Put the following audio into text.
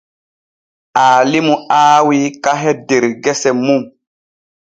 Aalimu aawi kahe der gese mun.